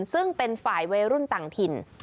ซึ่งเป็นฝ่ายวัยรุ่นต่างถิ่น